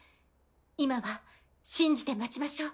今は信じて待ちましょう。